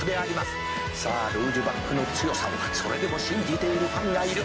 「さあルージュバックの強さをそれでも信じているファンがいる。